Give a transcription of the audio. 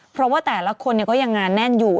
เพราะว่าแต่ละคนก็ยังงานแน่นอยู่